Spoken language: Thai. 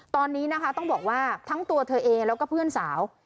ตอนนี้นะคะต้องบอกว่าทั้งตัวเธอเองแล้วก็เพื่อนสาว